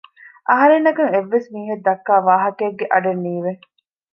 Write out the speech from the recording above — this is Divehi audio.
އަހަރެންނަކަށް އެއްވެސް މީހެއް ދައްކާވާހަކައެއްގެ އަޑެއް ނީވެ